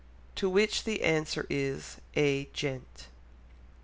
To which the answer is A gent.